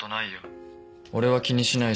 俺は気にしないし。